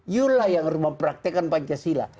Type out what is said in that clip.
you lah yang mempraktekan pancasila